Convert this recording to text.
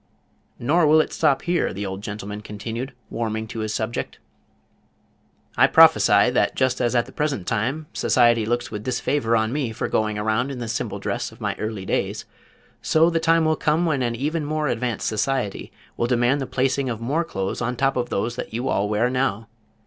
"Nor will it stop here," the old gentleman continued, warming to his subject. "I prophesy that just as at the present time society looks with disfavor on me for going around in the simple dress of my early days, so the time will come when an even more advanced society will demand the placing of more clothes on top of those that you all wear now.